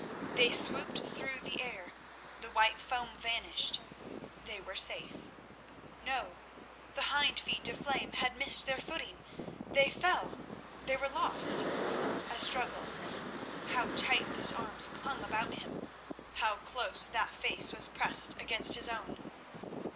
They swooped through the air, the white foam vanished, they were safe. No; the hind feet of Flame had missed their footing, they fell, they were lost. A struggle. How tight those arms clung about him. How close that face was pressed against his own.